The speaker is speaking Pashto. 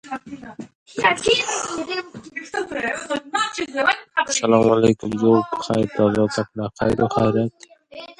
ایوب خان پوښتنه وکړه.